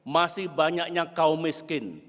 masih banyaknya kaum miskin